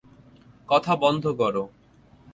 কথা বন্ধ করো।